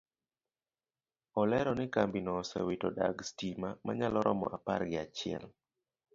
Olero ni kambino osewito dag stima manyalo romo apar gi achiel